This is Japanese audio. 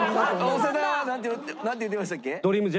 長田はなんて言ってましたっけ？